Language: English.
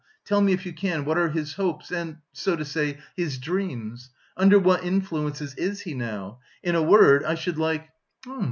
Tell me, if you can, what are his hopes and, so to say, his dreams? Under what influences is he now? In a word, I should like..."